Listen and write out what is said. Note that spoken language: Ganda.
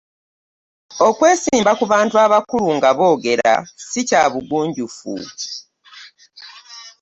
Okwesimba ku bantu abakulu nga boogera si kya bugunjufu.